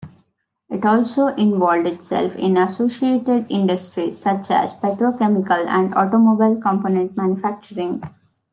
It also involved itself in associated industries such as petrochemicals and automobile component manufacturing.